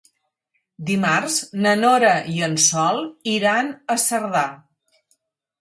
Dimarts na Nora i en Sol iran a Cerdà.